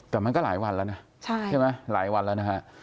แต่มันก็หลายวันแล้วนะใช่ไหมหลายวันแล้วนะฮะ